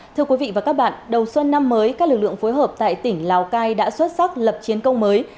thưa quý vị và các bạn đầu xuân năm mới các lực lượng phối hợp tại tỉnh lào cai đã xuất sắc lập chiến công mới